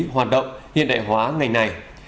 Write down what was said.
hoạt động hiện đại hóa ngành này